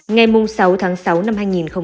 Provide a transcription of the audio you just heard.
ngày sáu tháng sáu năm hai nghìn